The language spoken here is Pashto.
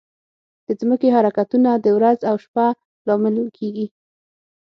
د ځمکې حرکتونه د ورځ او شپه لامل کېږي.